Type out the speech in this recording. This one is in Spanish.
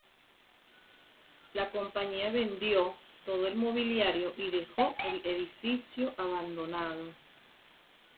La compañía vendió todo el mobiliario y dejó el edificio abandonado.